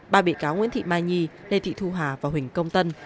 ba bị cáo nguyễn thị mai nhi lê thị thu hà và huỳnh công tân